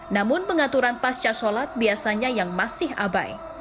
namun pengaturan pasca sholat biasanya yang masyarakat